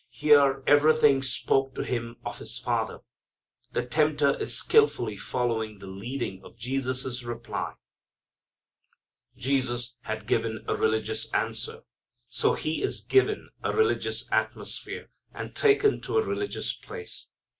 Here everything spoke to Him of His Father. The tempter is skilfully following the leading of Jesus' reply. Jesus had given a religious answer. So He is given a religious atmosphere, and taken to a religious place.